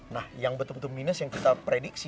nah yang betul betul minus yang kita prediksi